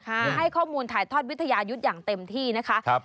คือให้ข้อมูลถ่ายทอดวิทยายุทธ์อย่างเต็มที่นะคะ